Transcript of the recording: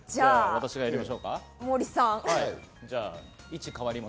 私がやりましょう。